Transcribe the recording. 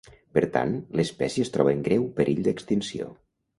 Per tant, l'espècie es troba en greu perill d'extinció.